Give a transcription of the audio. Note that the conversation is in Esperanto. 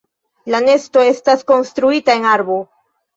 La nesto estas konstruita en arbo.